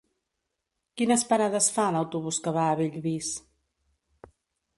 Quines parades fa l'autobús que va a Bellvís?